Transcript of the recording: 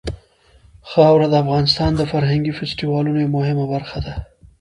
خاوره د افغانستان د فرهنګي فستیوالونو یوه مهمه برخه ده.